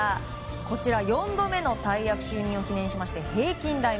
こちら、４度目の大役就任を記念しまして会見。